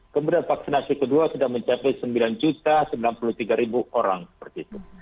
kemudian vaksinasi kedua sudah mencapai sembilan sembilan puluh tiga orang seperti itu